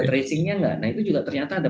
tracingnya nggak nah itu juga ternyata ada